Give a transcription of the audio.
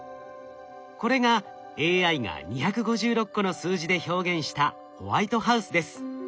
これがＡＩが２５６個の数字で表現した「ホワイトハウス」です。